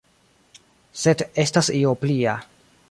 Sed estas io plia.